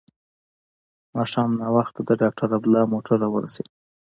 ماښام ناوخته د ډاکټر عبدالله موټر راورسېد.